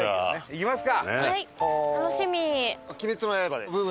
行きますか。